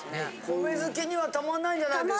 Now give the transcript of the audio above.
米好きにはたまんないんじゃないですか。